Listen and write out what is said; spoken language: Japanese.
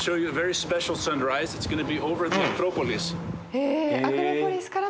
へえ。